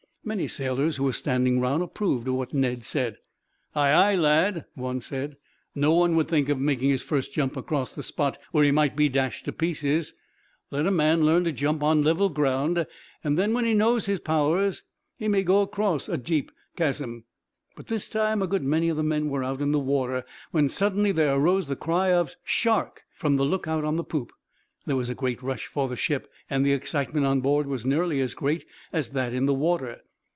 Many sailors who were standing round approved of what Ned said. "Aye, aye, lad," one said, "no one would think of making his first jump across the spot where he might be dashed to pieces. Let a man learn to jump on level ground; and then, when he knows his powers, he may go across a deep chasm." By this time a good many of the men were out of the water, when suddenly there arose the cry of, "Shark!" from the lookout on the poop. There was a great rush for the ship, and the excitement on board was nearly as great as that in the water.